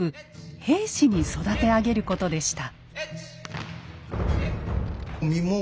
「兵士」に育て上げることでした。